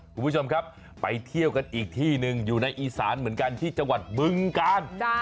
คุณผู้ชมครับไปเที่ยวกันอีกที่หนึ่งอยู่ในอีสานเหมือนกันที่จังหวัดบึงกาล